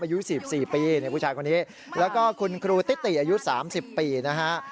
อายุ๔๔ปีผู้ชายคนนี้แล้วก็คุณครูติอายุ๓๐ปีนะฮะ